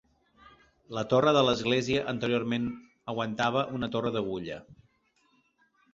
La torre de l'església anteriorment aguantava una torre d'agulla.